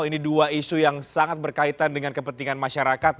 ini dua isu yang sangat berkaitan dengan kepentingan masyarakat